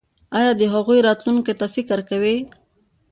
ایا د هغوی راتلونکي ته فکر کوئ؟